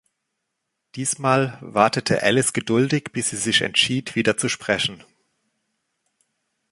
Diesmal wartete Alice geduldig, bis sie sich entschied, wieder zu sprechen.